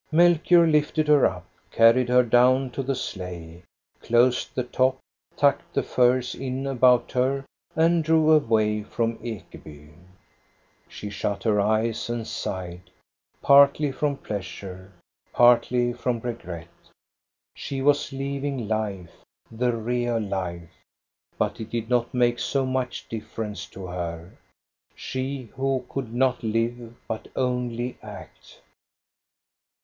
Melchior lifted her up, carried her down to the sleigh, closed the top, tucked the furs in about her, and drove away from Ekeby. She shut her eyes and sighed, partly from pleas ure, partly from regret. She was leaving life, the real life; but it did not make so much difference to her, — she who could not live but only act.